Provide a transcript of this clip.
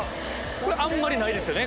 あんまりないですよね